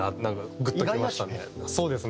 グッときましたね。